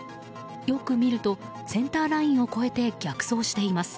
よく見るとセンターラインを越えて逆走しています。